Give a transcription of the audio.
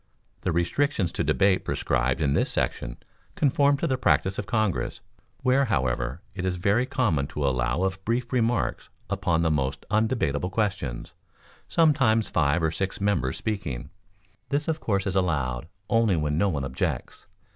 The restrictions to debate prescribed in this section conform to the practice of Congress, where, however, it is very common to allow of brief remarks upon the most undebatable questions, sometimes five or six members speaking; this of course is allowed only when no one objects.